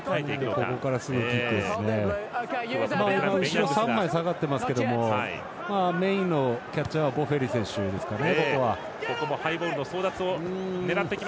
後ろ、３枚下がってますがメインのキャッチはボッフェーリ選手ですかね。